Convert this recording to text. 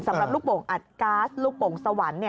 สำหรับลูกโป่งอัดก๊าซลูกโป่งสวรรค์